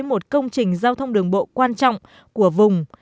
một công trình giao thông đường bộ quan trọng của vùng